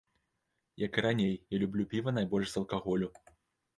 Як і раней, я люблю піва найбольш з алкаголю.